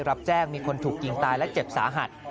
รับแจ้งมีคนถูกยิงตายและเจ็บสาหัส